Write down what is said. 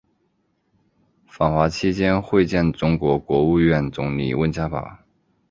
访华期间会见中国国务院总理温家宝。